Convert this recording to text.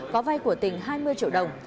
có vai của tỉnh hai mươi triệu đồng